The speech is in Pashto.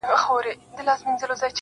نوره خندا نه کړم زړگيه، ستا خبر نه راځي